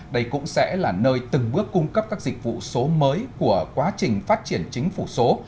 đây cũng sẽ là nơi từng bước cung cấp các dịch vụ số mới của quá trình phát triển chính phủ số